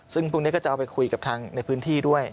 ซึ่งพรุ่งนี้ก็จะเอาไปคุยกับทางในพื้นที่ด้วย